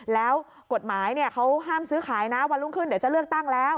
แล้วกฎหมายเขาห้ามซื้อขายนะวันรุ่งขึ้นเดี๋ยวจะเลือกตั้งแล้ว